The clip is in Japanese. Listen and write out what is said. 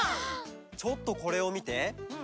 ちょっとこれをみて。